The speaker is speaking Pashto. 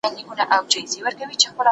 شونډو مې وچ پتري نيولي